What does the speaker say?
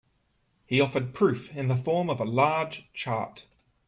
He offered proof in the form of a large chart.